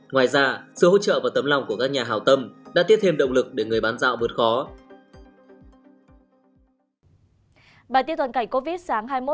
ngoài ra sự hỗ trợ và tấm lòng của các nhà hào tâm đã tiết thêm động lực để người bán rau bớt khó